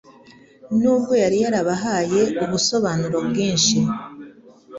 nubwo yari yarabahaye ubusobanuro bwinshi.